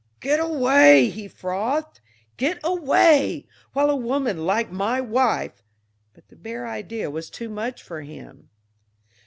"Getaway!" he frothed. "Getaway! While a woman like my wife " But the bare idea was too much for him.